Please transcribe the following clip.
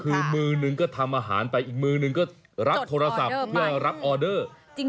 คือมือหนึ่งก็ทำอาหารไปอีกมือนึงก็รับโทรศัพท์เพื่อรับออเดอร์